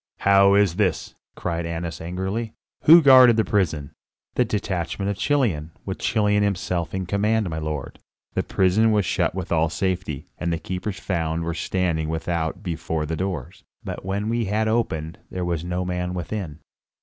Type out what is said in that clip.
"How is this?" cried Annas angrily. "Who guarded the prison?" "The detachment of Chilion, with Chilion himself in command, my lord. The prison was shut with all safety, and the keepers found we standing without before the doors; but when we had opened, there was no man within."